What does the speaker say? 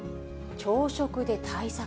朝食で対策。